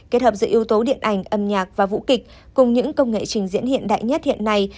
kết hợp giữa yếu tố điện ảnh âm nhạc và vũ kịch cùng những công nghệ trình diễn hiện đại nhất hiện nay